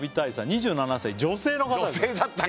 ２７歳女性の方